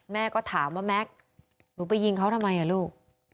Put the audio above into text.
แม่ก็ถามว่าแม็กซ์หนูไปยิงเขาทำไมอ่ะลูก